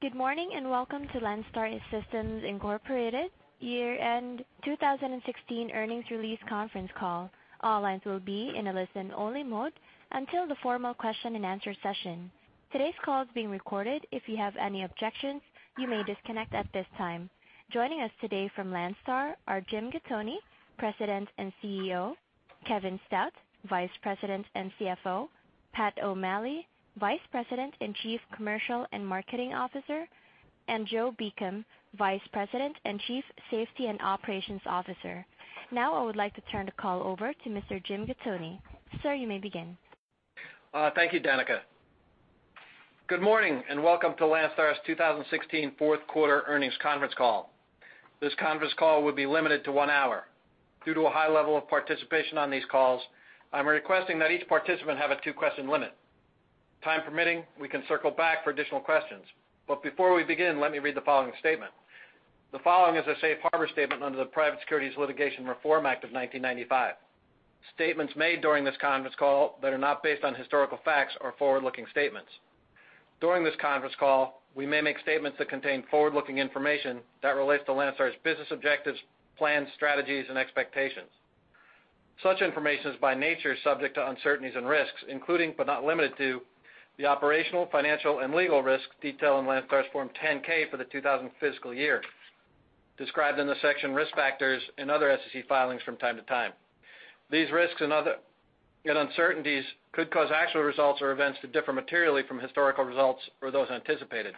Good morning, and welcome to Landstar System, Inc. Year-End 2016 Earnings Release Conference Call. All lines will be in a listen-only mode until the formal question-and-answer session. Today's call is being recorded. If you have any objections, you may disconnect at this time. Joining us today from Landstar are Jim Gattoni, President and CEO, Kevin Stout, Vice President and CFO, Pat O'Malley, Vice President and Chief Commercial and Marketing Officer, and Joe Beacom, Vice President and Chief Safety and Operations Officer. Now, I would like to turn the call over to Mr. Jim Gattoni. Sir, you may begin. Thank you, Danica. Good morning, and welcome to Landstar's 2016 fourth quarter earnings conference call. This conference call will be limited to one hour. Due to a high level of participation on these calls, I'm requesting that each participant have a two-question limit. Time permitting, we can circle back for additional questions. But before we begin, let me read the following statement. The following is a safe harbor statement under the Private Securities Litigation Reform Act of 1995. Statements made during this conference call that are not based on historical facts are forward-looking statements. During this conference call, we may make statements that contain forward-looking information that relates to Landstar's business objectives, plans, strategies, and expectations. Such information is, by nature, subject to uncertainties and risks, including, but not limited to, the operational, financial, and legal risks detailed in Landstar's Form 10-K for the 2000 fiscal year, described in the section Risk Factors and other SEC filings from time to time. These risks and other uncertainties could cause actual results or events to differ materially from historical results or those anticipated.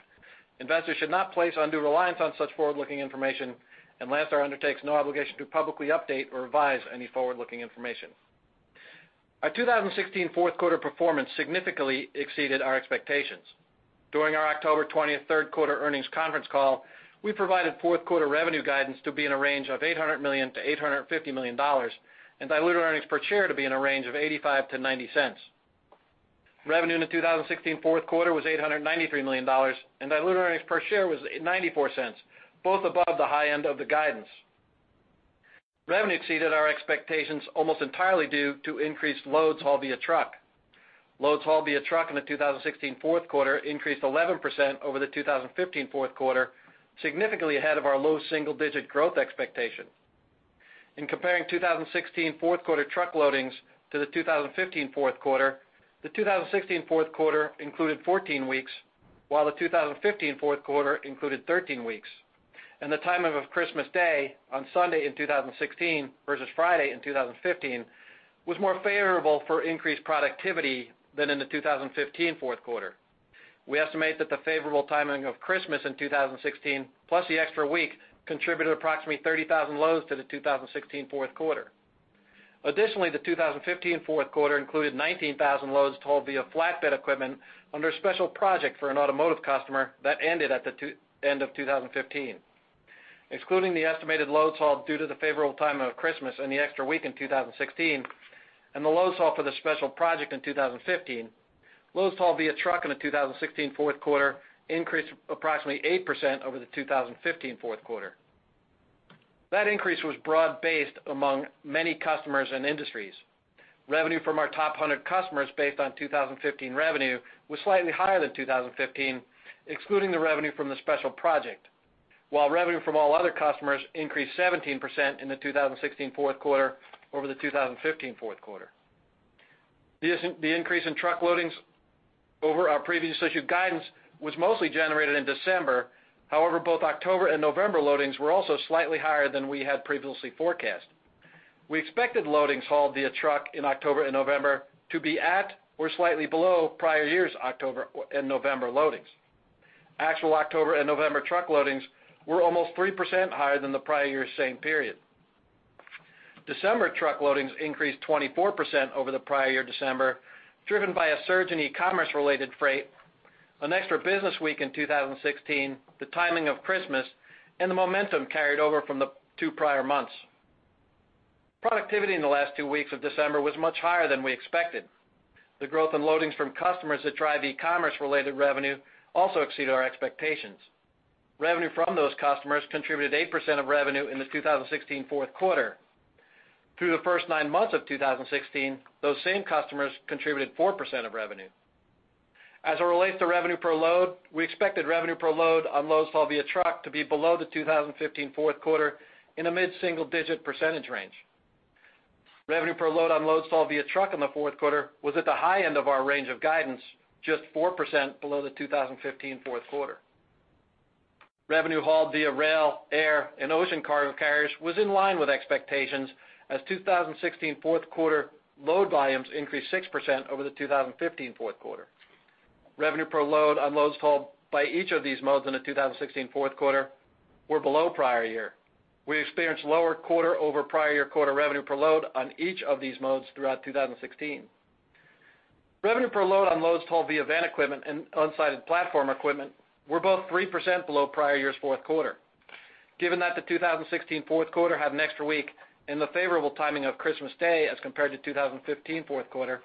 Investors should not place undue reliance on such forward-looking information, and Landstar undertakes no obligation to publicly update or revise any forward-looking information. Our 2016 fourth quarter performance significantly exceeded our expectations. During our October 20 third quarter earnings conference call, we provided fourth quarter revenue guidance to be in a range of $800 million-$850 million, and diluted earnings per share to be in a range of $0.85-$0.90. Revenue in the 2016 fourth quarter was $893 million, and diluted earnings per share was $0.94, both above the high end of the guidance. Revenue exceeded our expectations, almost entirely due to increased loads hauled via truck. Loads hauled via truck in the 2016 fourth quarter increased 11% over the 2015 fourth quarter, significantly ahead of our low single-digit growth expectation. In comparing 2016 fourth quarter truck loadings to the 2015 fourth quarter, the 2016 fourth quarter included 14 weeks, while the 2015 fourth quarter included 13 weeks, and the timing of Christmas Day on Sunday in 2016 versus Friday in 2015 was more favorable for increased productivity than in the 2015 fourth quarter. We estimate that the favorable timing of Christmas in 2016, plus the extra week, contributed approximately 30,000 loads to the 2016 fourth quarter. Additionally, the 2015 fourth quarter included 19,000 loads hauled via flatbed equipment under a special project for an automotive customer that ended at the end of 2015. Excluding the estimated loads hauled due to the favorable timing of Christmas and the extra week in 2016, and the loads hauled for the special project in 2015, loads hauled via truck in the 2016 fourth quarter increased approximately 8% over the 2015 fourth quarter. That increase was broad-based among many customers and industries. Revenue from our top 100 customers, based on 2015 revenue, was slightly higher than 2015, excluding the revenue from the special project, while revenue from all other customers increased 17% in the 2016 fourth quarter over the 2015 fourth quarter. The increase in truck loadings over our previous issued guidance was mostly generated in December. However, both October and November loadings were also slightly higher than we had previously forecast. We expected loadings hauled via truck in October and November to be at or slightly below prior years' October and November loadings. Actual October and November truck loadings were almost 3% higher than the prior year's same period. December truck loadings increased 24% over the prior year December, driven by a surge in e-commerce-related freight, an extra business week in 2016, the timing of Christmas, and the momentum carried over from the two prior months. Productivity in the last two weeks of December was much higher than we expected. The growth in loadings from customers that drive e-commerce-related revenue also exceeded our expectations. Revenue from those customers contributed 8% of revenue in the 2016 fourth quarter. Through the first nine months of 2016, those same customers contributed 4% of revenue. As it relates to revenue per load, we expected revenue per load on loads hauled via truck to be below the 2015 fourth quarter in a mid-single-digit percentage range. Revenue per load on loads hauled via truck in the fourth quarter was at the high end of our range of guidance, just 4% below the 2015 fourth quarter. Revenue hauled via rail, air, and ocean carriers was in line with expectations, as 2016 fourth quarter load volumes increased 6% over the 2015 fourth quarter. Revenue per load on loads hauled by each of these modes in the 2016 fourth quarter were below prior year. We experienced lower quarter over prior year quarter revenue per load on each of these modes throughout 2016. Revenue per load on loads hauled via van equipment and unsided platform equipment were both 3% below prior year's fourth quarter. Given that the 2016 fourth quarter had an extra week and the favorable timing of Christmas Day as compared to 2015 fourth quarter,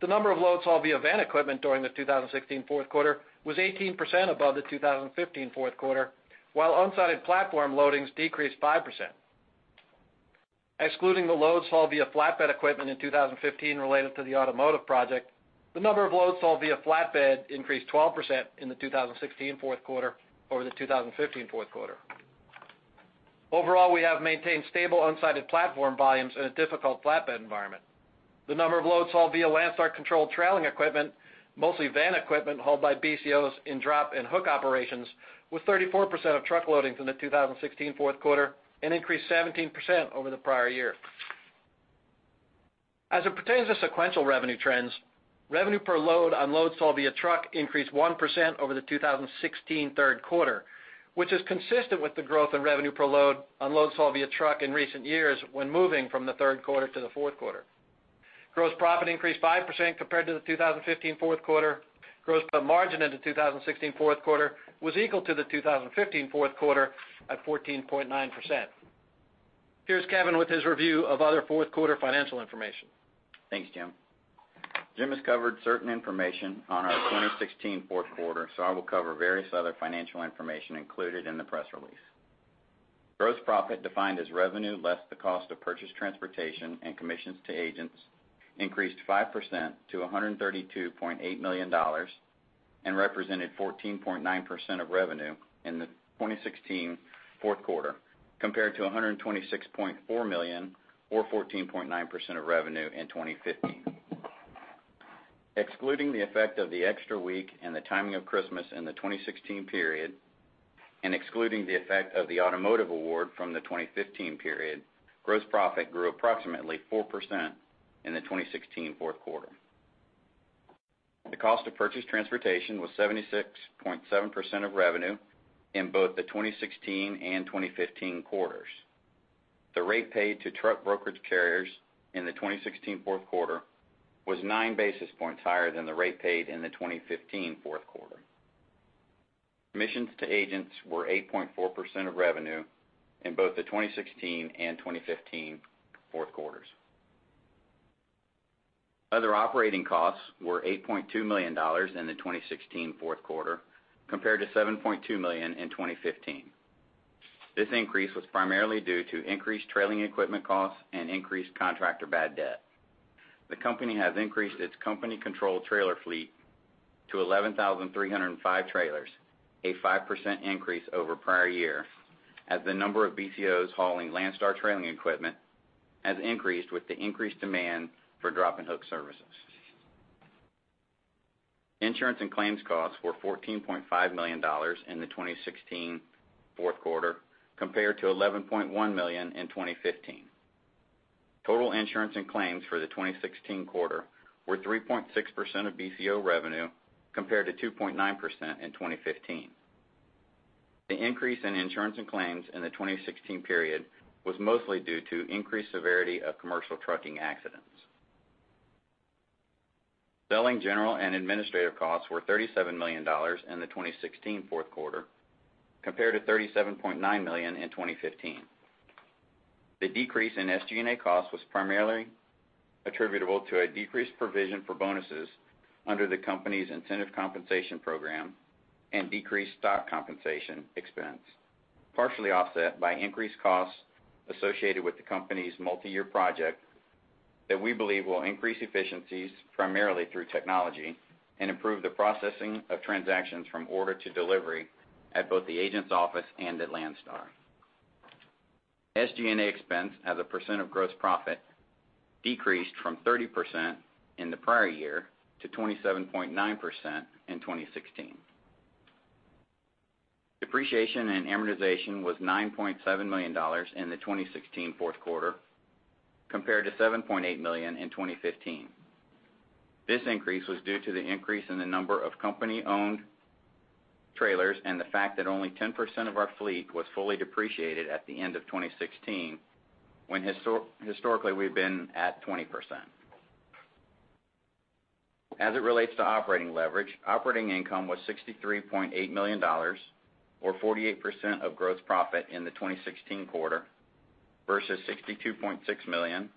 the number of loads hauled via van equipment during the 2016 fourth quarter was 18% above the 2015 fourth quarter, while unsided platform loadings decreased 5%. Excluding the loads hauled via flatbed equipment in 2015 related to the automotive project, the number of loads sold via flatbed increased 12% in the 2016 fourth quarter over the 2015 fourth quarter. Overall, we have maintained stable unsided platform volumes in a difficult flatbed environment. The number of loads hauled via Landstar-controlled trailing equipment, mostly van equipment hauled by BCOs in drop and hook operations, was 34% of truck loadings in the 2016 fourth quarter and increased 17% over the prior year. As it pertains to sequential revenue trends, revenue per load on loads hauled via truck increased 1% over the 2016 third quarter, which is consistent with the growth in revenue per load on loads hauled via truck in recent years when moving from the third quarter to the fourth quarter. Gross profit increased 5% compared to the 2015 fourth quarter. Gross profit margin in the 2016 fourth quarter was equal to the 2015 fourth quarter at 14.9%. Here's Kevin with his review of other fourth quarter financial information. Thanks, Jim. Jim has covered certain information on our 2016 fourth quarter, so I will cover various other financial information included in the press release. Gross profit, defined as revenue less the cost of purchased transportation and commissions to agents, increased 5% to $132.8 million and represented 14.9% of revenue in the 2016 fourth quarter, compared to $126.4 million, or 14.9% of revenue, in 2015. Excluding the effect of the extra week and the timing of Christmas in the 2016 period, and excluding the effect of the automotive award from the 2015 period, gross profit grew approximately 4% in the 2016 fourth quarter. The cost of purchased transportation was 76.7% of revenue in both the 2016 and 2015 quarters. The rate paid to truck brokerage carriers in the 2016 fourth quarter was 9 basis points higher than the rate paid in the 2015 fourth quarter. Commissions to agents were 8.4% of revenue in both the 2016 and 2015 fourth quarters. Other operating costs were $8.2 million in the 2016 fourth quarter, compared to $7.2 million in 2015. This increase was primarily due to increased trailer equipment costs and increased contractor bad debt. The company has increased its company-controlled trailer fleet to 11,305 trailers, a 5% increase over prior year, as the number of BCOs hauling Landstar trailer equipment has increased with the increased demand for drop and hook services. Insurance and claims costs were $14.5 million in the 2016 fourth quarter, compared to $11.1 million in 2015. Total insurance and claims for the 2016 quarter were 3.6% of BCO revenue, compared to 2.9% in 2015. The increase in insurance and claims in the 2016 period was mostly due to increased severity of commercial trucking accidents. Selling, general, and administrative costs were $37 million in the 2016 fourth quarter, compared to $37.9 million in 2015. The decrease in SG&A costs was primarily attributable to a decreased provision for bonuses under the company's incentive compensation program and decreased stock compensation expense, partially offset by increased costs associated with the company's multiyear project that we believe will increase efficiencies, primarily through technology, and improve the processing of transactions from order to delivery at both the agent's office and at Landstar. SG&A expense as a percent of gross profit decreased from 30% in the prior year to 27.9% in 2016. Depreciation and amortization was $9.7 million in the 2016 fourth quarter, compared to $7.8 million in 2015. This increase was due to the increase in the number of company-owned trailers and the fact that only 10% of our fleet was fully depreciated at the end of 2016, when historically, we've been at 20%. As it relates to operating leverage, operating income was $63.8 million, or 48% of gross profit in the 2016 quarter, versus $62.6 million,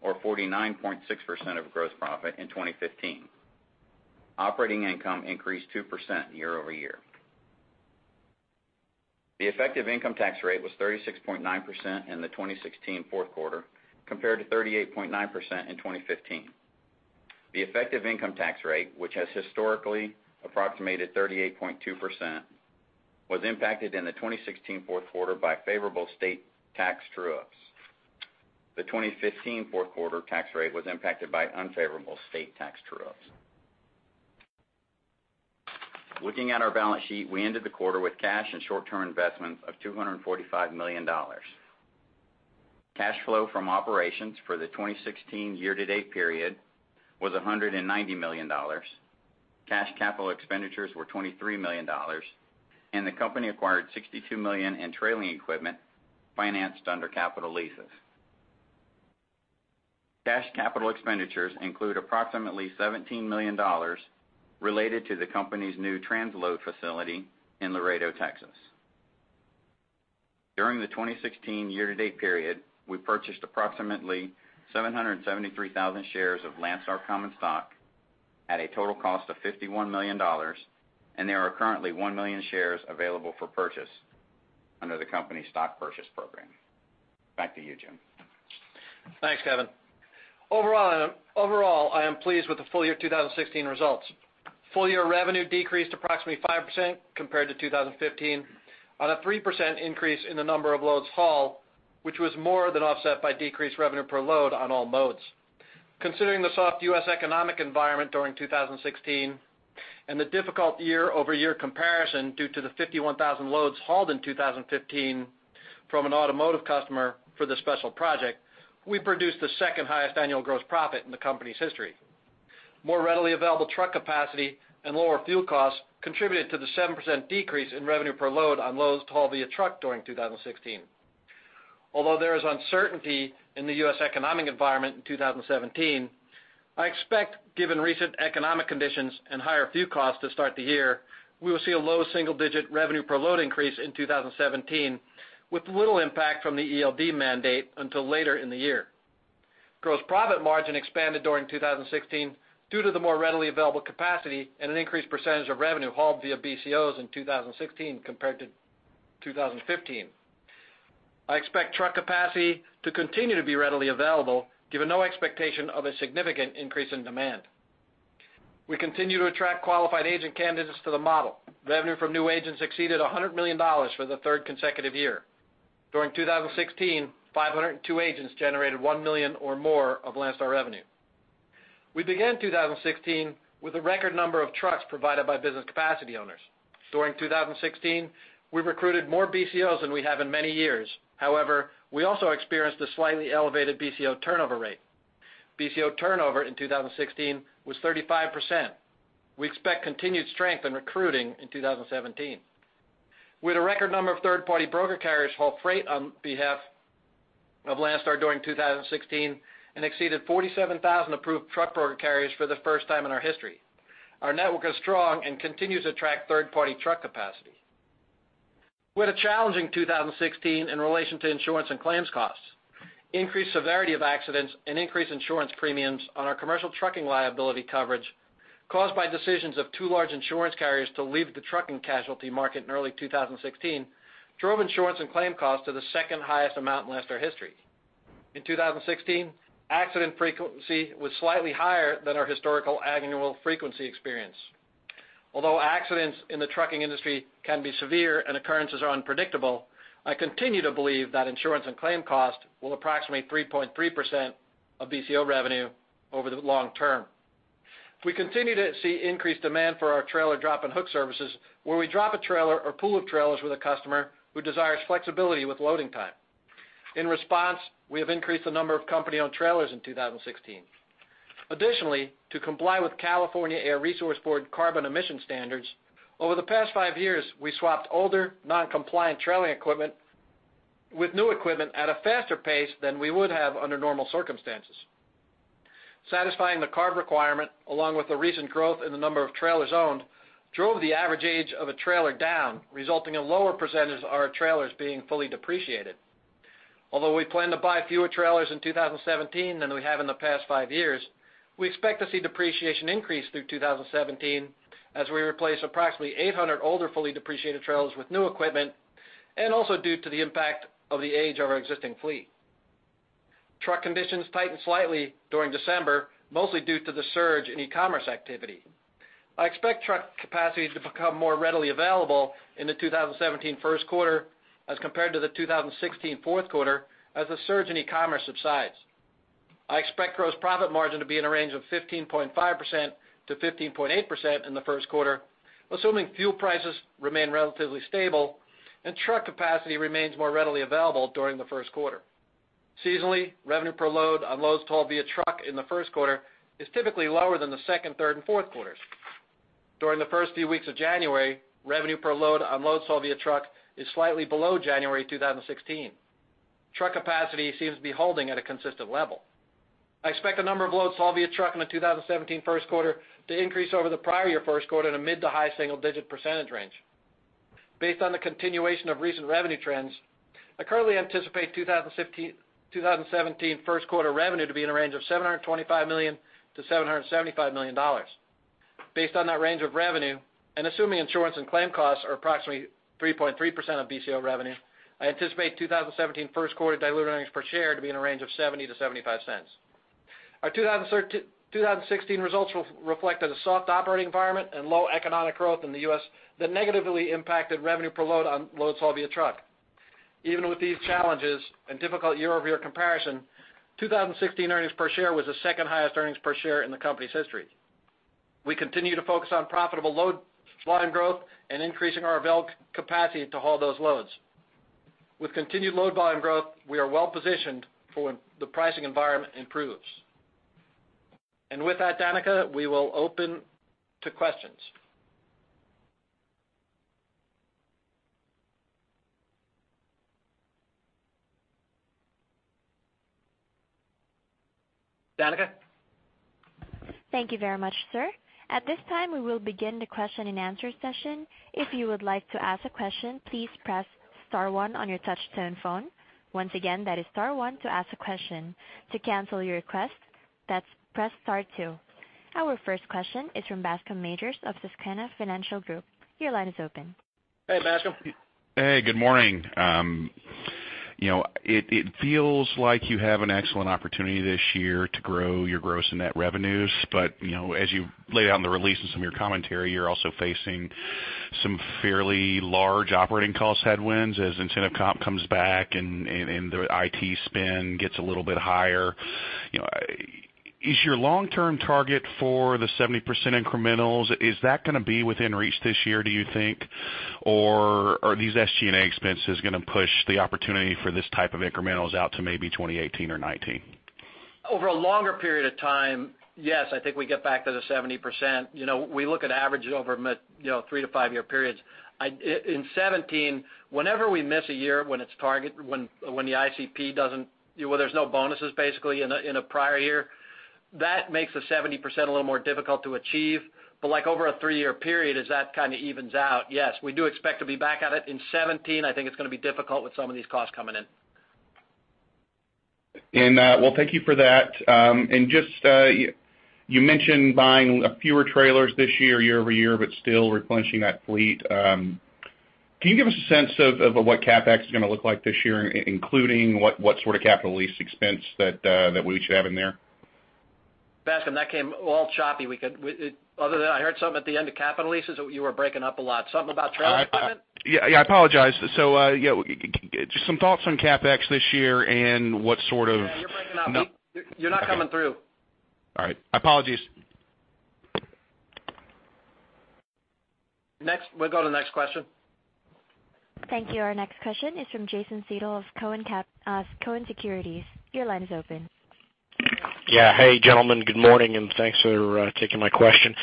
or 49.6% of gross profit, in 2015. Operating income increased 2% year-over-year. The effective income tax rate was 36.9% in the 2016 fourth quarter, compared to 38.9% in 2015. The effective income tax rate, which has historically approximated 38.2%, was impacted in the 2016 fourth quarter by favorable state tax true-ups. The 2015 fourth quarter tax rate was impacted by unfavorable state tax true-ups. Looking at our balance sheet, we ended the quarter with cash and short-term investments of $245 million. Cash flow from operations for the 2016 year-to-date period was $190 million. Cash capital expenditures were $23 million, and the company acquired $62 million in trailer equipment financed under capital leases. Cash capital expenditures include approximately $17 million related to the company's new transload facility in Laredo, Texas. During the 2016 year-to-date period, we purchased approximately 773,000 shares of Landstar common stock-... at a total cost of $51 million, and there are currently 1 million shares available for purchase under the company's stock purchase program. Back to you, Jim. Thanks, Kevin. Overall, I am pleased with the full year 2016 results. Full year revenue decreased approximately 5% compared to 2015, on a 3% increase in the number of loads hauled, which was more than offset by decreased revenue per load on all modes. Considering the soft U.S. economic environment during 2016, and the difficult year-over-year comparison due to the 51,000 loads hauled in 2015 from an automotive customer for the special project, we produced the second-highest annual gross profit in the company's history. More readily available truck capacity and lower fuel costs contributed to the 7% decrease in revenue per load on loads hauled via truck during 2016. Although there is uncertainty in the U.S. economic environment in 2017, I expect, given recent economic conditions and higher fuel costs to start the year, we will see a low single-digit revenue per load increase in 2017, with little impact from the ELD mandate until later in the year. Gross profit margin expanded during 2016 due to the more readily available capacity and an increased percentage of revenue hauled via BCOs in 2016 compared to 2015. I expect truck capacity to continue to be readily available, given no expectation of a significant increase in demand. We continue to attract qualified agent candidates to the model. Revenue from new agents exceeded $100 million for the third consecutive year. During 2016, 502 agents generated $1 million or more of Landstar revenue. We began 2016 with a record number of trucks provided by business capacity owners. During 2016, we recruited more BCOs than we have in many years. However, we also experienced a slightly elevated BCO turnover rate. BCO turnover in 2016 was 35%. We expect continued strength in recruiting in 2017. We had a record number of third-party broker carriers haul freight on behalf of Landstar during 2016, and exceeded 47,000 approved truck broker carriers for the first time in our history. Our network is strong and continues to attract third-party truck capacity. We had a challenging 2016 in relation to insurance and claims costs. Increased severity of accidents and increased insurance premiums on our commercial trucking liability coverage, caused by decisions of two large insurance carriers to leave the trucking casualty market in early 2016, drove insurance and claim costs to the second-highest amount in Landstar history. In 2016, accident frequency was slightly higher than our historical annual frequency experience. Although accidents in the trucking industry can be severe and occurrences are unpredictable, I continue to believe that insurance and claim costs will approximate 3.3% of BCO revenue over the long term. We continue to see increased demand for our trailer drop and hook services, where we drop a trailer or pool of trailers with a customer who desires flexibility with loading time. In response, we have increased the number of company-owned trailers in 2016. Additionally, to comply with California Air Resources Board carbon emission standards, over the past five years, we swapped older, non-compliant trailer equipment with new equipment at a faster pace than we would have under normal circumstances. Satisfying the CARB requirement, along with the recent growth in the number of trailers owned, drove the average age of a trailer down, resulting in lower percentage of our trailers being fully depreciated. Although we plan to buy fewer trailers in 2017 than we have in the past five years, we expect to see depreciation increase through 2017 as we replace approximately 800 older, fully depreciated trailers with new equipment, and also due to the impact of the age of our existing fleet. Truck conditions tightened slightly during December, mostly due to the surge in e-commerce activity. I expect truck capacity to become more readily available in the 2017 first quarter as compared to the 2016 fourth quarter, as the surge in e-commerce subsides. I expect gross profit margin to be in a range of 15.5%-15.8% in the first quarter, assuming fuel prices remain relatively stable and truck capacity remains more readily available during the first quarter. Seasonally, revenue per load on loads hauled via truck in the first quarter is typically lower than the second, third, and fourth quarters. During the first few weeks of January, revenue per load on loads hauled via truck is slightly below January 2016. Truck capacity seems to be holding at a consistent level. I expect the number of loads hauled via truck in the 2017 first quarter to increase over the prior year first quarter in a mid to high single-digit percentage range. Based on the continuation of recent revenue trends, I currently anticipate 2017 first quarter revenue to be in a range of $725 million-$775 million. Based on that range of revenue, and assuming insurance and claim costs are approximately 3.3% of BCO revenue, I anticipate 2017 first quarter diluted earnings per share to be in a range of $0.70-$0.75. Our 2016 results reflected a soft operating environment and low economic growth in the U.S. that negatively impacted revenue per load on loads hauled via truck. Even with these challenges and difficult year-over-year comparison, 2016 earnings per share was the second-highest earnings per share in the company's history. We continue to focus on profitable load volume growth and increasing our available capacity to haul those loads. With continued load volume growth, we are well positioned for when the pricing environment improves. And with that, Danica, we will open to questions. Danica? Thank you very much, sir. At this time, we will begin the question-and-answer session. If you would like to ask a question, please press star one on your touchtone phone. Once again, that is star one to ask a question. To cancel your request, that's press star two. Our first question is from Bascome Majors of Susquehanna Financial Group. Your line is open.... Hey, Bascome. Hey, good morning. You know, it feels like you have an excellent opportunity this year to grow your gross and net revenues. But, you know, as you laid out in the release and some of your commentary, you're also facing some fairly large operating cost headwinds as incentive comp comes back and the IT spend gets a little bit higher. You know, is your long-term target for the 70% incrementals, is that going to be within reach this year, do you think? Or are these SG&A expenses going to push the opportunity for this type of incrementals out to maybe 2018 or 2019? Over a longer period of time, yes, I think we get back to the 70%. You know, we look at averages over, you know, 3-5-year periods. In 2017, whenever we miss a year when it's target, when the ICP doesn't—well, there's no bonuses, basically, in a prior year, that makes the 70% a little more difficult to achieve. But like over a 3-year period, as that kind of evens out, yes, we do expect to be back at it. In 2017, I think it's going to be difficult with some of these costs coming in. And, well, thank you for that. And just, you mentioned buying fewer trailers this year, year-over-year, but still replenishing that fleet. Can you give us a sense of what CapEx is going to look like this year, including what sort of capital lease expense that we should have in there? Bascome, that came all choppy. We could other than I heard something at the end of capital leases; you were breaking up a lot. Something about trailer equipment? Yeah, yeah, I apologize. So, yeah, just some thoughts on CapEx this year and what sort of- Yeah, you're breaking up. No. You're not coming through. All right. Apologies. Next. We'll go to the next question. Thank you. Our next question is from Jason Seidl of Cowen and Company. Your line is open. Yeah. Hey, gentlemen, good morning, and thanks for taking my question.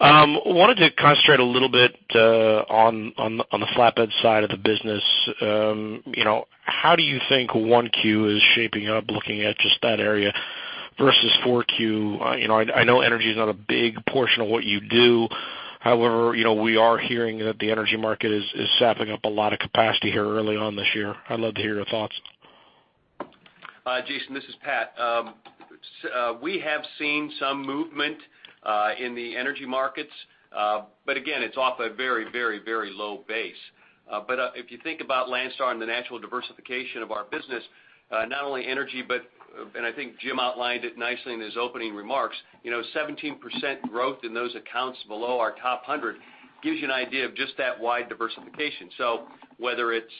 Wanted to concentrate a little bit on the flatbed side of the business. You know, how do you think 1Q is shaping up, looking at just that area versus 4Q? You know, I know energy is not a big portion of what you do. However, you know, we are hearing that the energy market is sapping up a lot of capacity here early on this year. I'd love to hear your thoughts. Jason, this is Pat. We have seen some movement in the energy markets, but again, it's off a very, very, very low base. But if you think about Landstar and the natural diversification of our business, not only energy, but, and I think Jim outlined it nicely in his opening remarks, you know, 17% growth in those accounts below our top 100 gives you an idea of just that wide diversification. So whether it's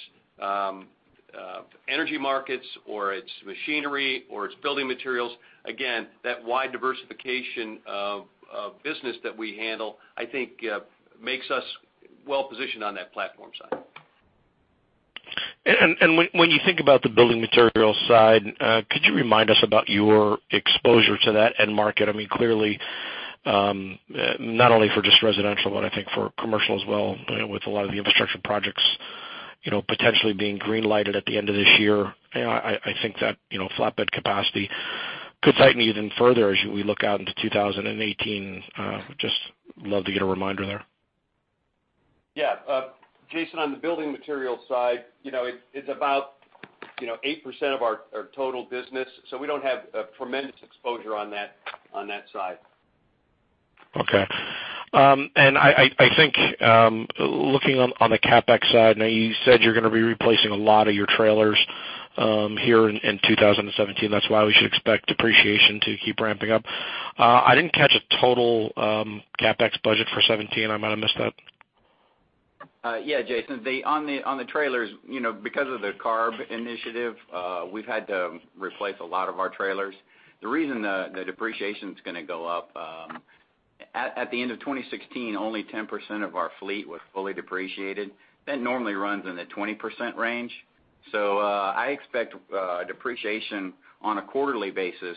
energy markets or it's machinery or it's building materials, again, that wide diversification of business that we handle, I think, makes us well positioned on that platform side. When you think about the building materials side, could you remind us about your exposure to that end market? I mean, clearly, not only for just residential, but I think for commercial as well, you know, with a lot of the infrastructure projects, you know, potentially being green lighted at the end of this year. I think that, you know, flatbed capacity could tighten even further as we look out into 2018. Just love to get a reminder there. Yeah. Jason, on the building materials side, you know, it's, it's about, you know, 8% of our, our total business, so we don't have a tremendous exposure on that, on that side. Okay. And I think, looking on the CapEx side, now, you said you're going to be replacing a lot of your trailers, here in 2017. That's why we should expect depreciation to keep ramping up. I didn't catch a total CapEx budget for 2017. I might have missed that. Yeah, Jason, on the trailers, you know, because of the CARB initiative, we've had to replace a lot of our trailers. The reason the depreciation is going to go up, at the end of 2016, only 10% of our fleet was fully depreciated. That normally runs in the 20% range. So, I expect depreciation on a quarterly basis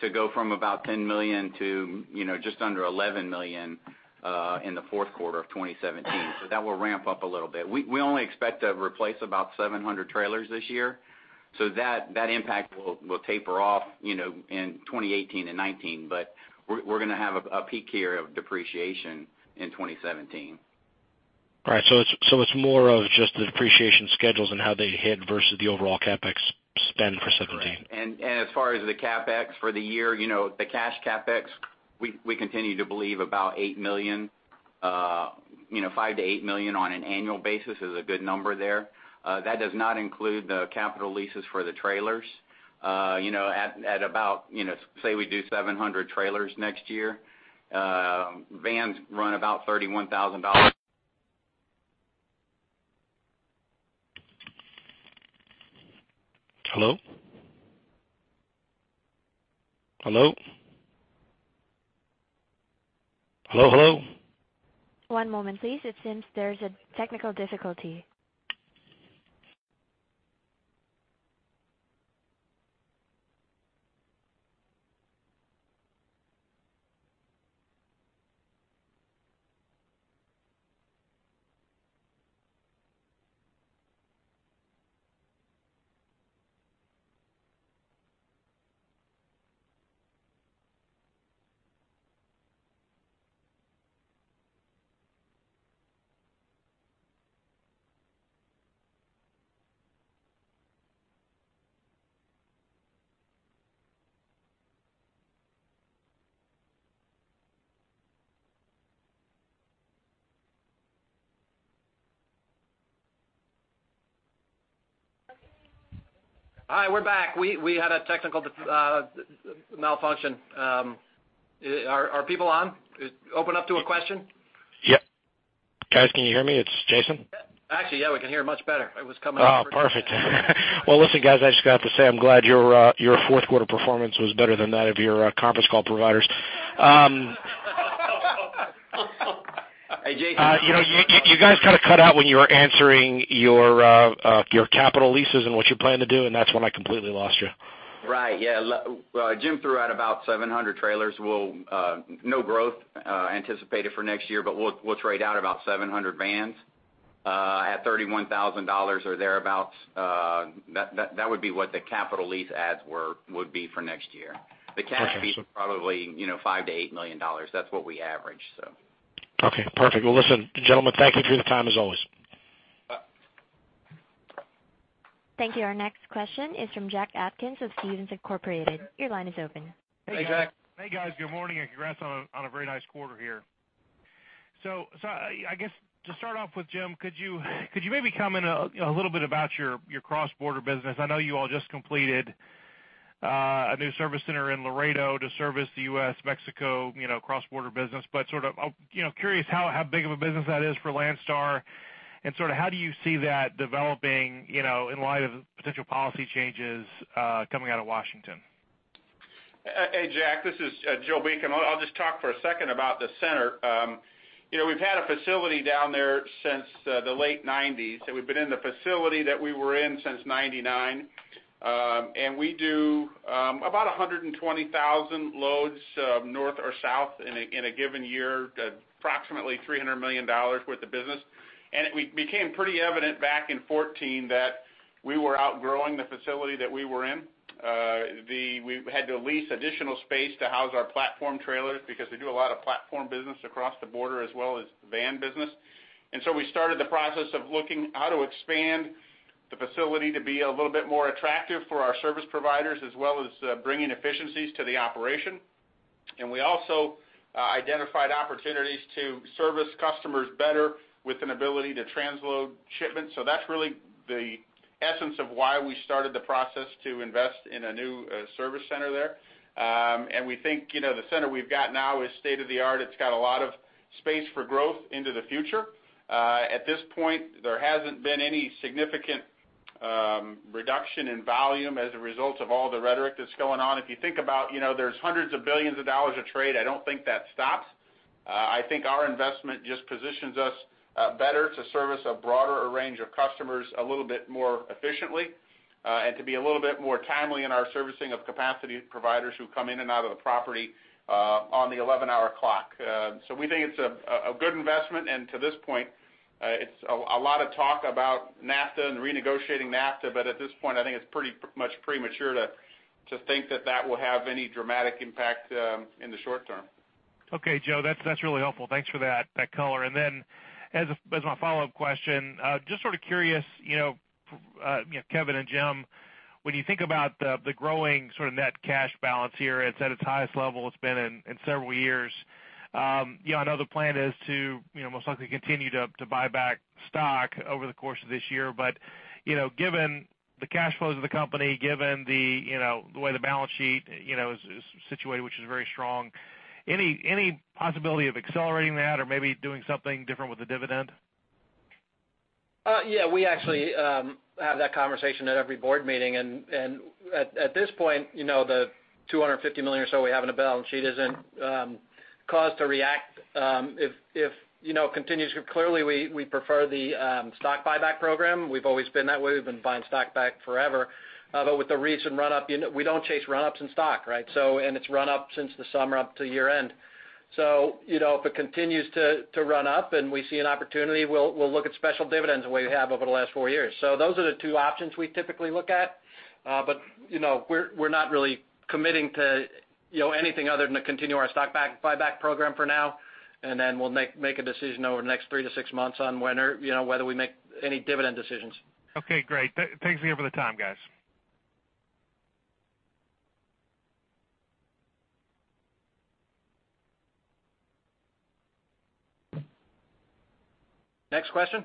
to go from about $10 million to, you know, just under $11 million, in the fourth quarter of 2017. So that will ramp up a little bit. We only expect to replace about 700 trailers this year, so that impact will taper off, you know, in 2018 and 2019, but we're going to have a peak year of depreciation in 2017. All right. So it's more of just the depreciation schedules and how they hit versus the overall CapEx spend for 2017. Correct. And, and as far as the CapEx for the year, you know, the cash CapEx, we, we continue to believe about $8 million, you know, $5 million-$8 million on an annual basis is a good number there. That does not include the capital leases for the trailers. You know, at, at about, you know, say we do 700 trailers next year, vans run about $31,000- Hello? Hello? Hello, hello. One moment, please. It seems there's a technical difficulty.... Hi, we're back. We had a technical malfunction. Are people on? Open up to a question? Yep. Guys, can you hear me? It's Jason. Actually, yeah, we can hear much better. It was coming up- Oh, perfect. Well, listen, guys, I just got to say, I'm glad your fourth quarter performance was better than that of your conference call providers. Hey, Jason- You know, you guys kind of cut out when you were answering your capital leases and what you plan to do, and that's when I completely lost you. Right. Yeah, Jim threw out about 700 trailers. We'll no growth anticipated for next year, but we'll trade out about 700 vans at $31,000 or thereabout. That would be what the capital lease adds would be for next year. Got you. The cash lease is probably, you know, $5 million-$8 million. That's what we average, so. Okay, perfect. Well, listen, gentlemen, thank you for your time, as always. Thank you. Our next question is from Jack Atkins of Stephens Inc. Your line is open. Hey, Jack. Hey, guys. Good morning, and congrats on a very nice quarter here. So, I guess to start off with, Jim, could you maybe comment a little bit about your cross-border business? I know you all just completed a new service center in Laredo to service the U.S., Mexico, you know, cross-border business. But sort of, you know, curious how big of a business that is for Landstar, and sort of how do you see that developing, you know, in light of potential policy changes coming out of Washington? Hey, Jack, this is Joe Beacom. I'll just talk for a second about the center. You know, we've had a facility down there since the late 1990s, and we've been in the facility that we were in since 1999. And we do about 120,000 loads north or south in a given year, approximately $300 million worth of business. And it became pretty evident back in 2014 that we were outgrowing the facility that we were in. We had to lease additional space to house our platform trailers because we do a lot of platform business across the border as well as van business. And so we started the process of looking how to expand the facility to be a little bit more attractive for our service providers, as well as, bringing efficiencies to the operation. And we also identified opportunities to service customers better with an ability to transload shipments. So that's really the essence of why we started the process to invest in a new service center there. And we think, you know, the center we've got now is state-of-the-art. It's got a lot of space for growth into the future. At this point, there hasn't been any significant reduction in volume as a result of all the rhetoric that's going on. If you think about, you know, there's hundreds of billions of dollars of trade, I don't think that stops. I think our investment just positions us better to service a broader range of customers a little bit more efficiently, and to be a little bit more timely in our servicing of capacity providers who come in and out of the property on the 11-hour clock. So we think it's a good investment, and to this point, it's a lot of talk about NAFTA and renegotiating NAFTA, but at this point, I think it's pretty much premature to think that that will have any dramatic impact in the short term. Okay, Joe, that's really helpful. Thanks for that color. And then, as my follow-up question, just sort of curious, you know, you know, Kevin and Jim, when you think about the growing sort of net cash balance here, it's at its highest level it's been in several years. You know, I know the plan is to, you know, most likely continue to buy back stock over the course of this year. But, you know, given the cash flows of the company, given the, you know, the way the balance sheet, you know, is situated, which is very strong, any possibility of accelerating that or maybe doing something different with the dividend? Yeah, we actually have that conversation at every board meeting, and at this point, you know, the $250 million or so we have on the balance sheet isn't cause to react. If you know, it continues. Clearly, we prefer the stock buyback program. We've always been that way. We've been buying stock back forever. But with the recent run up, you know, we don't chase run ups in stock, right? So, and it's run up since the summer up to year-end. So, you know, if it continues to run up and we see an opportunity, we'll look at special dividends the way we have over the last four years. So those are the two options we typically look at. But, you know, we're not really committing to, you know, anything other than to continue our stock buyback program for now, and then we'll make a decision over the next 3-6 months on whether, you know, whether we make any dividend decisions. Okay, great. Thanks again for the time, guys. Next question?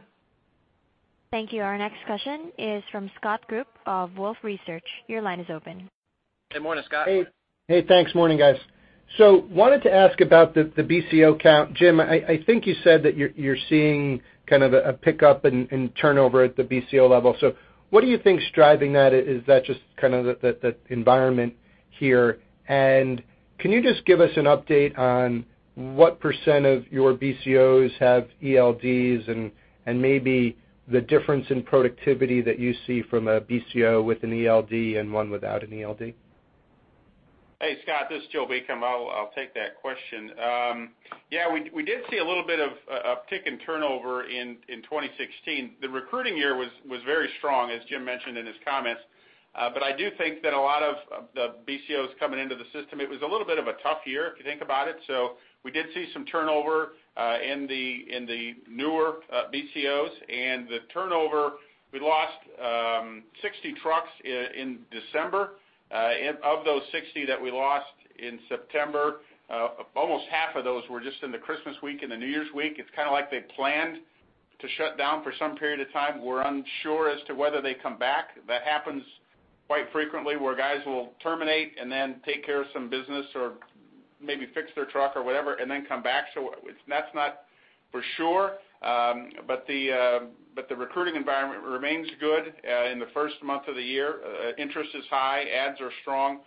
Thank you. Our next question is from Scott Group of Wolfe Research. Your line is open. Good morning, Scott. Hey. Hey, thanks. Morning, guys. So wanted to ask about the BCO count. Jim, I think you said that you're seeing kind of a pickup in turnover at the BCO level. So what do you think is driving that? Is that just kind of the environment here? And can you just give us an update on what % of your BCOs have ELDs and maybe the difference in productivity that you see from a BCO with an ELD and one without an ELD? Hey, Scott, this is Joe Beacom. I'll take that question. Yeah, we did see a little bit of an uptick in turnover in 2016. The recruiting year was very strong, as Jim mentioned in his comments. But I do think that a lot of the BCOs coming into the system, it was a little bit of a tough year, if you think about it. So we did see some turnover in the newer BCOs. And the turnover, we lost 60 trucks in December. And of those 60 that we lost in September, almost half of those were just in the Christmas week and the New Year's week. It's kind of like they planned to shut down for some period of time. We're unsure as to whether they come back. That happens quite frequently, where guys will terminate and then take care of some business or maybe fix their truck or whatever, and then come back. So it's, that's not for sure. But the recruiting environment remains good in the first month of the year. Interest is high, ads are strong.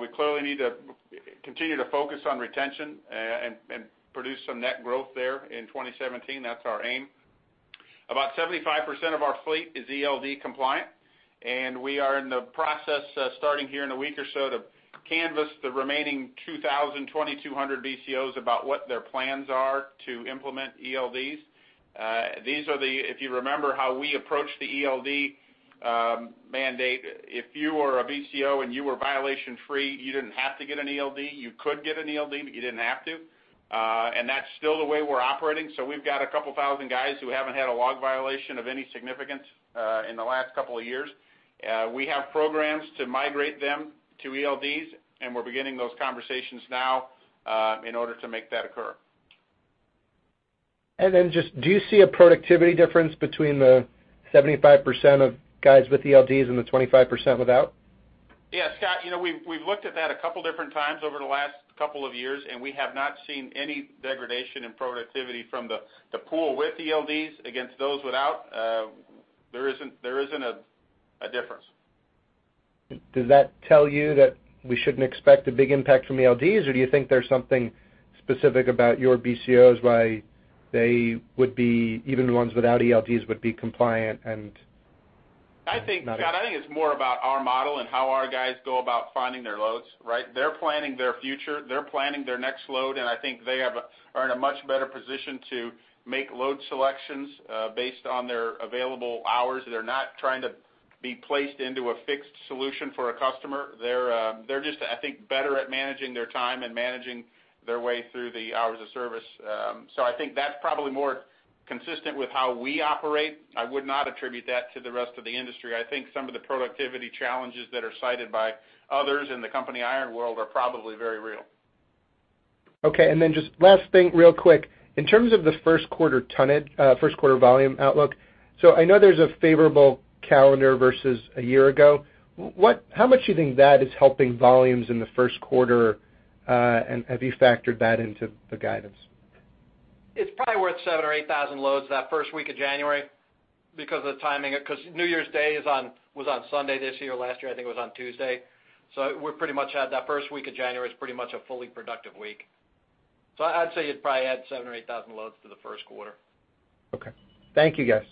We clearly need to continue to focus on retention and produce some net growth there in 2017. That's our aim. About 75% of our fleet is ELD compliant, and we are in the process of starting here in a week or so, to canvas the remaining 2,000-2,200 BCOs about what their plans are to implement ELDs. These are the, if you remember how we approached the ELD mandate, if you were a BCO and you were violation-free, you didn't have to get an ELD. You could get an ELD, but you didn't have to. And that's still the way we're operating. So we've got a couple thousand guys who haven't had a log violation of any significance in the last couple of years. We have programs to migrate them to ELDs, and we're beginning those conversations now in order to make that occur. Then just, do you see a productivity difference between the 75% of guys with ELDs and the 25% without? Yeah, Scott, you know, we've looked at that a couple different times over the last couple of years, and we have not seen any degradation in productivity from the pool with ELDs against those without. There isn't a difference. Does that tell you that we shouldn't expect a big impact from ELDs, or do you think there's something specific about your BCOs, why they would be, even the ones without ELDs, would be compliant and not? I think, Scott, I think it's more about our model and how our guys go about finding their loads, right? They're planning their future, they're planning their next load, and I think they are in a much better position to make load selections based on their available hours. They're not trying to be placed into a fixed solution for a customer. They're just, I think, better at managing their time and managing their way through the hours of service. So I think that's probably more consistent with how we operate. I would not attribute that to the rest of the industry. I think some of the productivity challenges that are cited by others in the company, IronWorld, are probably very real. Okay, and then just last thing, real quick. In terms of the first quarter tonnage, first quarter volume outlook, so I know there's a favorable calendar versus a year ago. How much do you think that is helping volumes in the first quarter, and have you factored that into the guidance? It's probably worth 7,000 or 8,000 loads that first week of January because of the timing, because New Year's Day is on, was on Sunday this year. Last year, I think it was on Tuesday. So we're pretty much had that first week of January is pretty much a fully productive week. So I'd say you'd probably add 7,000 or 8,000 loads to the first quarter. Okay. Thank you, guys.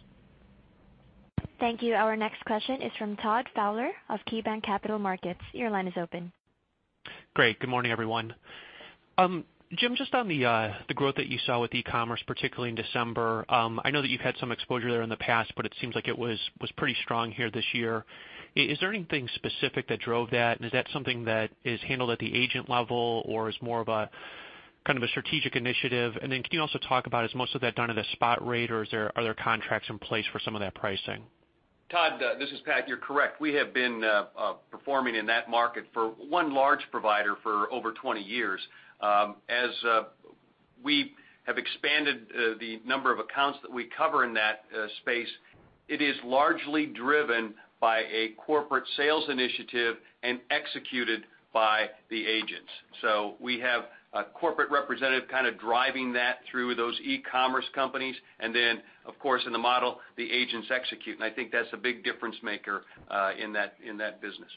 Thank you. Our next question is from Todd Fowler of KeyBanc Capital Markets. Your line is open. Great. Good morning, everyone. Jim, just on the, the growth that you saw with e-commerce, particularly in December, I know that you've had some exposure there in the past, but it seems like it was pretty strong here this year. Is there anything specific that drove that? And is that something that is handled at the agent level or is more of a, kind of a strategic initiative? And then can you also talk about, is most of that done at a spot rate, or is there other contracts in place for some of that pricing? Todd, this is Pat. You're correct. We have been performing in that market for one large provider for over 20 years. As we have expanded the number of accounts that we cover in that space, it is largely driven by a corporate sales initiative and executed by the agents. So we have a corporate representative kind of driving that through those e-commerce companies, and then, of course, in the model, the agents execute, and I think that's a big difference maker in that business.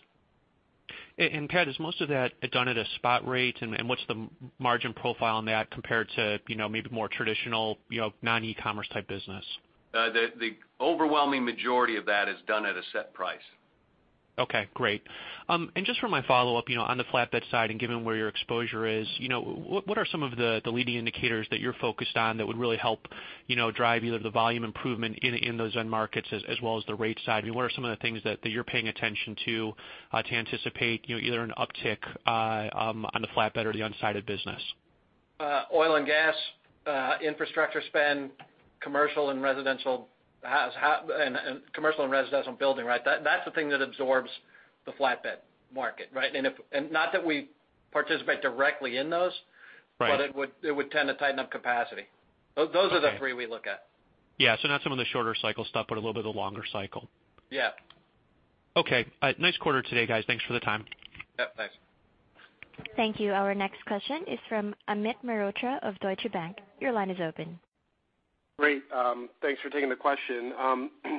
And, Pat, is most of that done at a spot rate? And, what's the margin profile on that compared to, you know, maybe more traditional, you know, non-e-commerce type business? The overwhelming majority of that is done at a set price. Okay, great. Just for my follow-up, you know, on the flatbed side and given where your exposure is, you know, what, what are some of the, the leading indicators that you're focused on that would really help, you know, drive either the volume improvement in, in those end markets as, as well as the rate side? I mean, what are some of the things that, that you're paying attention to, to anticipate, you know, either an uptick on the flatbed or the unsided business? Oil and gas, infrastructure spend, commercial and residential housing and commercial and residential building, right? That's the thing that absorbs the flatbed market, right? And not that we participate directly in those- Right. But it would, it would tend to tighten up capacity. Okay. Those are the three we look at. Yeah, so not some of the shorter cycle stuff, but a little bit of the longer cycle. Yeah. Okay. Nice quarter today, guys. Thanks for the time. Yep, thanks. Thank you. Our next question is from Amit Mehrotra of Deutsche Bank. Your line is open. Great. Thanks for taking the question.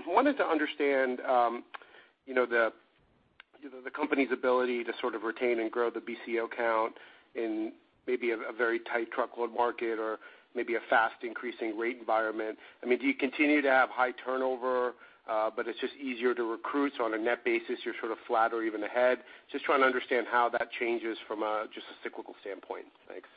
Wanted to understand, you know, the, you know, the company's ability to sort of retain and grow the BCO count in maybe a very tight truckload market or maybe a fast-increasing rate environment. I mean, do you continue to have high turnover, but it's just easier to recruit, so on a net basis, you're sort of flat or even ahead? Just trying to understand how that changes from just a cyclical standpoint. Thanks.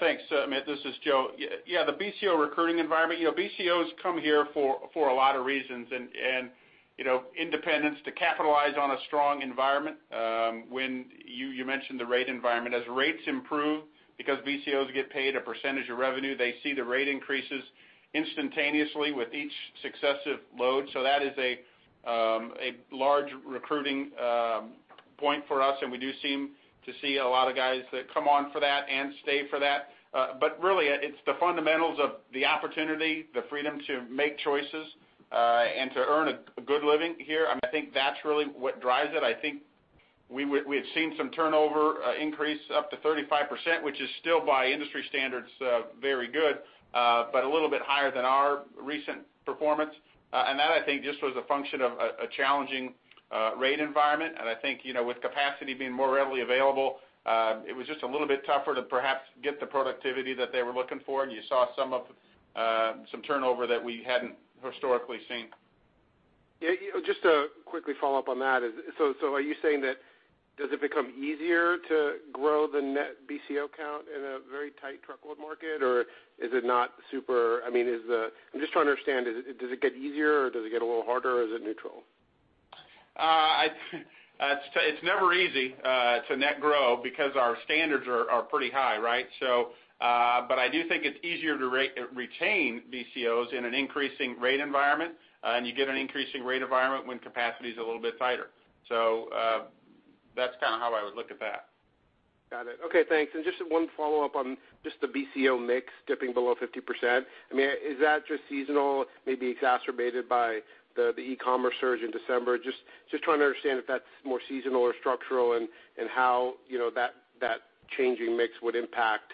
Thanks, Amit. This is Joe. Yeah, the BCO recruiting environment, you know, BCOs come here for a lot of reasons and, you know, independence to capitalize on a strong environment, when you mentioned the rate environment. As rates improve, because BCOs get paid a percentage of revenue, they see the rate increases instantaneously with each successive load. So that is a large recruiting-... point for us, and we do seem to see a lot of guys that come on for that and stay for that. But really, it's the fundamentals of the opportunity, the freedom to make choices, and to earn a good living here. I mean, I think that's really what drives it. I think we had seen some turnover increase up to 35%, which is still by industry standards very good, but a little bit higher than our recent performance. And that, I think, just was a function of a challenging rate environment. And I think, you know, with capacity being more readily available, it was just a little bit tougher to perhaps get the productivity that they were looking for, and you saw some of some turnover that we hadn't historically seen. Yeah, you know, just to quickly follow up on that, so are you saying that, does it become easier to grow the net BCO count in a very tight truckload market, or is it not super... I mean, I'm just trying to understand, does it get easier, or does it get a little harder, or is it neutral? It's never easy to net grow because our standards are pretty high, right? So, but I do think it's easier to retain BCOs in an increasing rate environment, and you get an increasing rate environment when capacity is a little bit tighter. So, that's kind of how I would look at that. Got it. Okay, thanks. And just one follow-up on just the BCO mix dipping below 50%. I mean, is that just seasonal, maybe exacerbated by the, the e-commerce surge in December? Just, just trying to understand if that's more seasonal or structural and, and how, you know, that, that changing mix would impact,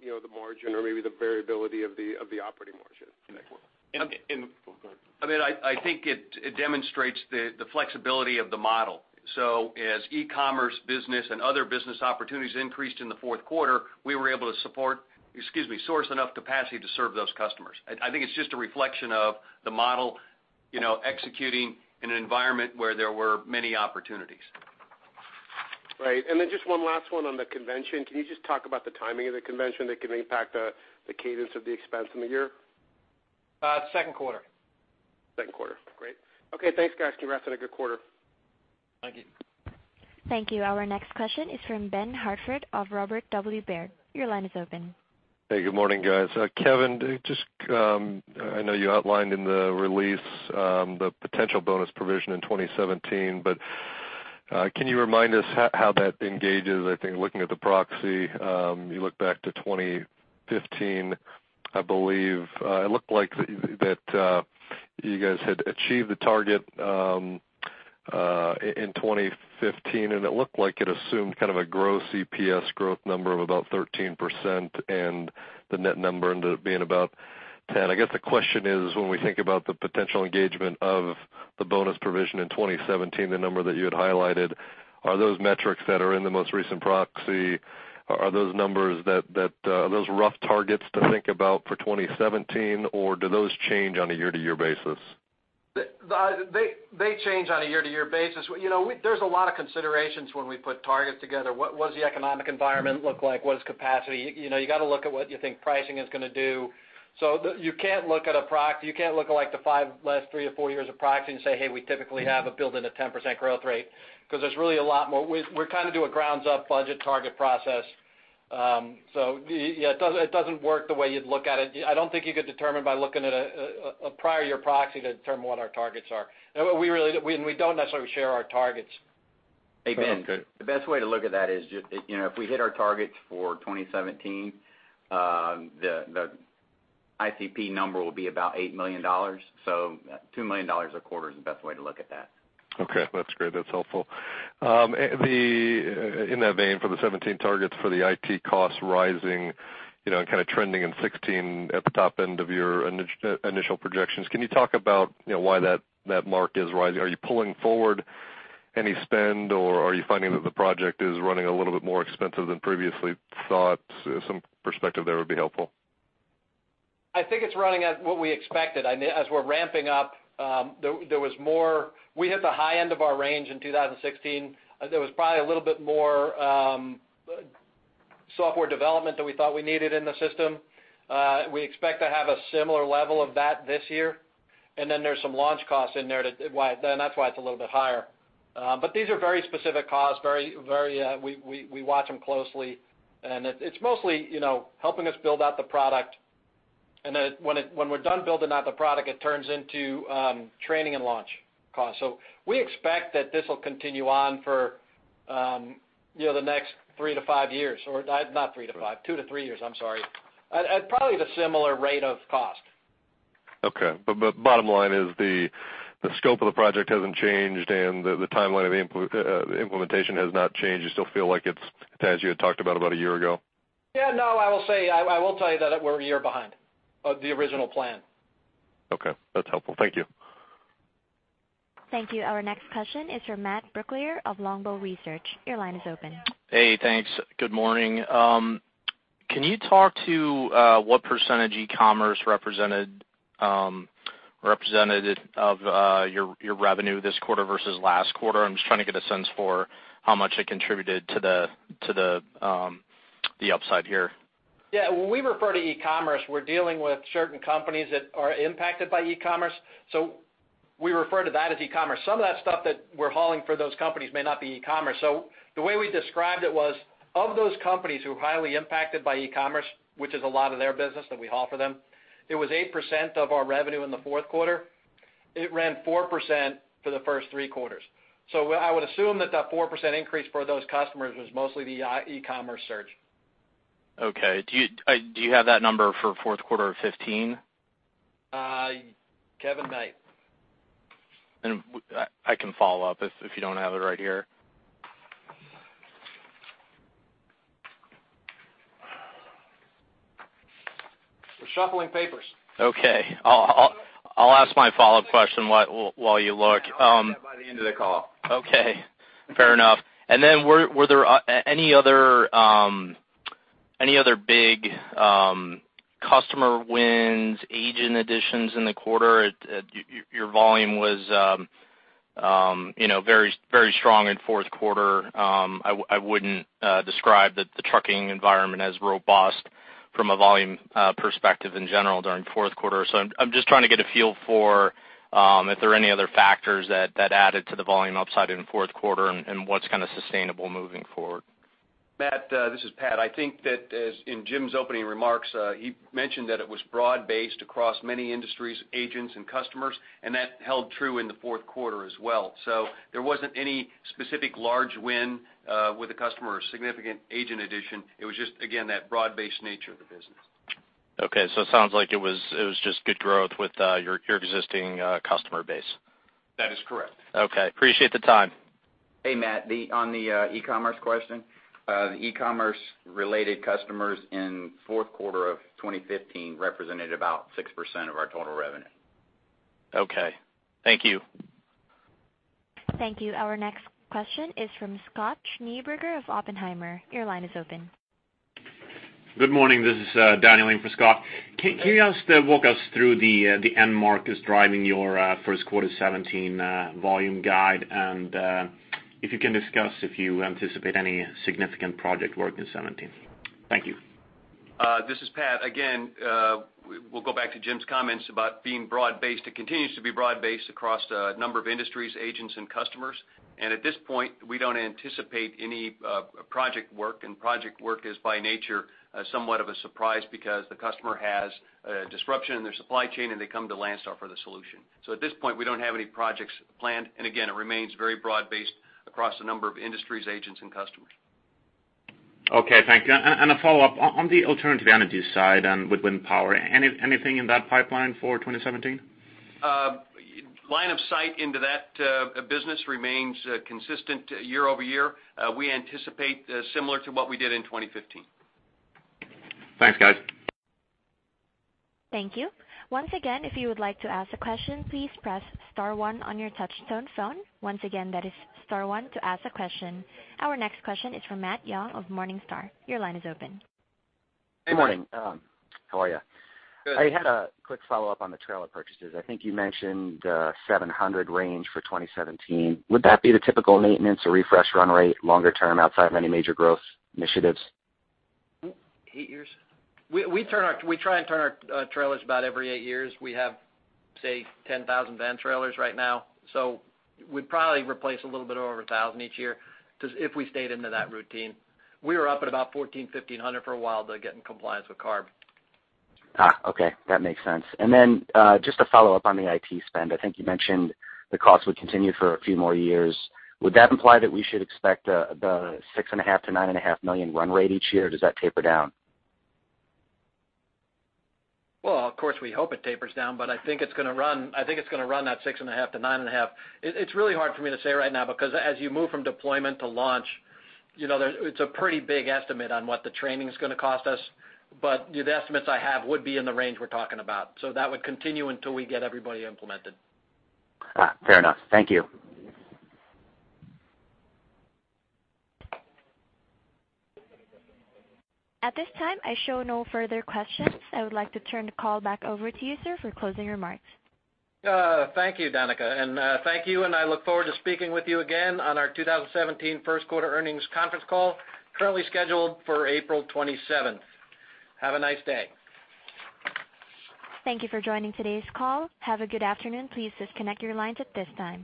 you know, the margin or maybe the variability of the, of the operating margin going forward. And, and- Go ahead. I mean, I think it demonstrates the flexibility of the model. So as e-commerce business and other business opportunities increased in the fourth quarter, we were able to support, excuse me, source enough capacity to serve those customers. I think it's just a reflection of the model, you know, executing in an environment where there were many opportunities. Right. And then just one last one on the convention. Can you just talk about the timing of the convention that can impact the cadence of the expense in the year? Second quarter. Second quarter. Great. Okay, thanks, guys. Congrats on a good quarter. Thank you. Thank you. Our next question is from Ben Hartford of Robert W. Baird. Your line is open. Hey, good morning, guys. Kevin, just, I know you outlined in the release, the potential bonus provision in 2017, but, can you remind us how that engages? I think, looking at the proxy, you look back to 2015, I believe, it looked like that, you guys had achieved the target, in 2015, and it looked like it assumed kind of a gross EPS growth number of about 13%, and the net number ended up being about 10%. I guess the question is, when we think about the potential engagement of the bonus provision in 2017, the number that you had highlighted, are those metrics that are in the most recent proxy, are those numbers that are those rough targets to think about for 2017, or do those change on a year-to-year basis? They change on a year-to-year basis. You know, we, there's a lot of considerations when we put targets together. What does the economic environment look like? What is capacity? You know, you gotta look at what you think pricing is gonna do. So you can't look at a proxy, you can't look at, like, the five last three to four years of proxy and say, "Hey, we typically have a built-in a 10% growth rate," 'cause there's really a lot more. We kind of do a ground-up budget target process. So yeah, it doesn't work the way you'd look at it. I don't think you could determine by looking at a prior year proxy to determine what our targets are. And we really, we, and we don't necessarily share our targets. Okay. Hey, Ben, the best way to look at that is just, you know, if we hit our targets for 2017, the ICP number will be about $8 million. So $2 million a quarter is the best way to look at that. Okay, that's great. That's helpful. In that vein, for the 2017 targets, for the IT costs rising, you know, and kind of trending in 2016 at the top end of your initial projections, can you talk about, you know, why that, that mark is rising? Are you pulling forward any spend, or are you finding that the project is running a little bit more expensive than previously thought? Some perspective there would be helpful. I think it's running at what we expected. I mean, as we're ramping up, there was more. We hit the high end of our range in 2016. There was probably a little bit more software development than we thought we needed in the system. We expect to have a similar level of that this year, and then there's some launch costs in there too. Why, and that's why it's a little bit higher. But these are very specific costs, very, we watch them closely, and it's mostly, you know, helping us build out the product. And then, when we're done building out the product, it turns into training and launch costs. We expect that this will continue on for, you know, the next 3-5 years, or not 3-5, 2-3 years, I'm sorry, at probably the similar rate of cost. Okay. But bottom line is the scope of the project hasn't changed, and the timeline of implementation has not changed. You still feel like it's as you had talked about, about a year ago? Yeah, no, I will say, I will tell you that we're a year behind of the original plan. Okay, that's helpful. Thank you. Thank you. Our next question is from Matt Brooklier of Longbow Research. Your line is open. Hey, thanks. Good morning. Can you talk to what percentage e-commerce represented, represented of your, your revenue this quarter versus last quarter? I'm just trying to get a sense for how much it contributed to the, to the, the upside here. Yeah, when we refer to e-commerce, we're dealing with certain companies that are impacted by e-commerce, so we refer to that as e-commerce. Some of that stuff that we're hauling for those companies may not be e-commerce. So the way we described it was, of those companies who are highly impacted by e-commerce, which is a lot of their business that we haul for them-... It was 8% of our revenue in the fourth quarter. It ran 4% for the first three quarters. So what I would assume that that 4% increase for those customers was mostly the e-commerce surge. Okay. Do you, do you have that number for fourth quarter of 2015? Kevin, might. I can follow up if you don't have it right here. We're shuffling papers. Okay. I'll ask my follow-up question while you look. By the end of the call. Okay, fair enough. And then were there any other big customer wins, agent additions in the quarter? Your volume was, you know, very, very strong in fourth quarter. I wouldn't describe the trucking environment as robust from a volume perspective in general during fourth quarter. So I'm just trying to get a feel for if there are any other factors that added to the volume upside in the fourth quarter and what's kind of sustainable moving forward. Matt, this is Pat. I think that as in Jim's opening remarks, he mentioned that it was broad-based across many industries, agents and customers, and that held true in the fourth quarter as well. So there wasn't any specific large win, with a customer or significant agent addition. It was just, again, that broad-based nature of the business. Okay, so it sounds like it was just good growth with your existing customer base. That is correct. Okay. Appreciate the time. Hey, Matt, on the e-commerce question, the e-commerce related customers in fourth quarter of 2015 represented about 6% of our total revenue. Okay. Thank you. Thank you. Our next question is from Scott Schneeberger of Oppenheimer. Your line is open. Good morning. This is Daniel in for Scott. Can you just walk us through the end market is driving your first quarter 2017 volume guide? And if you can discuss if you anticipate any significant project work in 2017. Thank you. This is Pat. Again, we'll go back to Jim's comments about being broad-based. It continues to be broad-based across a number of industries, agents and customers. At this point, we don't anticipate any project work, and project work is by nature somewhat of a surprise because the customer has a disruption in their supply chain, and they come to Landstar for the solution. At this point, we don't have any projects planned, and again, it remains very broad-based across a number of industries, agents, and customers. Okay, thank you. And a follow-up. On the alternative energy side and with wind power, anything in that pipeline for 2017? Line of sight into that business remains consistent year-over-year. We anticipate similar to what we did in 2015. Thanks, guys. Thank you. Once again, if you would like to ask a question, please press star one on your touchtone phone. Once again, that is star one to ask a question. Our next question is from Matt Young of Morningstar. Your line is open. Good morning. How are you? Good. I had a quick follow-up on the trailer purchases. I think you mentioned 700 range for 2017. Would that be the typical maintenance or refresh run rate, longer term, outside of any major growth initiatives? 8 years? We try and turn our trailers about every 8 years. We have, say, 10,000 van trailers right now, so we'd probably replace a little bit over 1,000 each year, just if we stayed into that routine. We were up at about 1,400-1,500 for a while to get in compliance with CARB. Ah, okay, that makes sense. And then, just to follow up on the IT spend, I think you mentioned the costs would continue for a few more years. Would that imply that we should expect the $6.5 million-$9.5 million run rate each year, or does that taper down? Well, of course, we hope it tapers down, but I think it's gonna run, I think it's gonna run that 6.5-9.5. It's really hard for me to say right now, because as you move from deployment to launch, you know, it's a pretty big estimate on what the training is gonna cost us, but the estimates I have would be in the range we're talking about. So that would continue until we get everybody implemented. Ah, fair enough. Thank you. At this time, I show no further questions. I would like to turn the call back over to you, sir, for closing remarks. Thank you, Danica, and thank you, and I look forward to speaking with you again on our 2017 first quarter earnings conference call, currently scheduled for April 27th. Have a nice day. Thank you for joining today's call. Have a good afternoon. Please disconnect your lines at this time.